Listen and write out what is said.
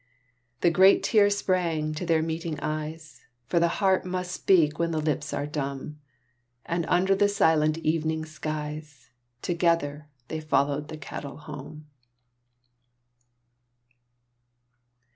The great tears sprang to their meeting eyes; For the heart must speak when the lips are dumb; And under the silent evening skies, Together they followed the cattle home.